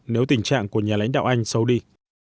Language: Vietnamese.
nếu tình trạng của nhà lãnh đạo anh xấu đi